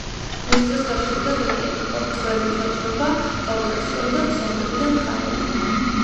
მის დროს გახშირდა ლეკიანობა, ტყვეებით ვაჭრობა, გაუკაცრიელდა სოფლები და მხარეები.